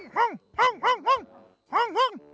ฮ่องฮ่องฮ่องฮ่อง